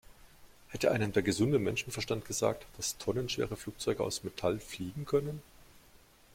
Hätte einem der gesunde Menschenverstand gesagt, dass tonnenschwere Flugzeuge aus Metall fliegen können?